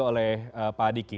sudah dibahas juga oleh pak adiki